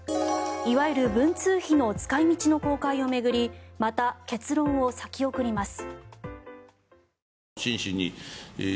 いわゆる文通費の使い道の公開を巡りまた結論を先送ります。